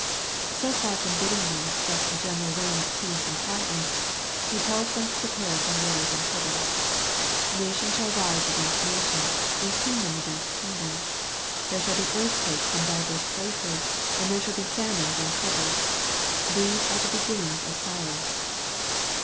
So far from bidding them expect a general reign of peace and quietness, He tells them to prepare for wars and troubles. " Nation shall rise against nation, and kingdom against kingdom. There shall be earthquakes in divers places, and there shall be famines and troubles : these are the beginnings of sorrows."